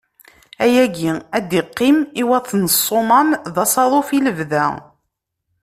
Ayagi ad d-iqqim i wat n Ṣṣumam d asaḍuf i lebda.